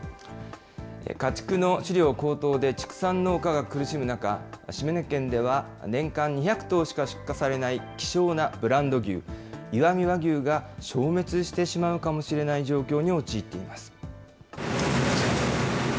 家畜の飼料高騰で畜産農家が苦しむ中、島根県では年間２００頭しか出荷されない希少なブランド牛、石見和牛が消滅してしまうかもしれない状況に陥っています。